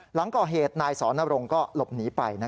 หลังก่อเหตุนายสอนรงค์ก็หลบหนีไป